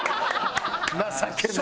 情けない。